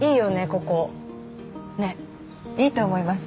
ここねっいいと思います